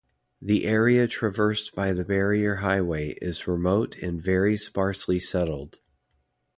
The area traversed by the Barrier Highway is remote and very sparsely settled.